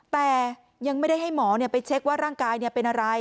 แต่ยังไม่ได้ให้หมอไปเช็คว่าร่างกายเป็นอะไร